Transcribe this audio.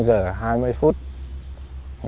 vô lưu thương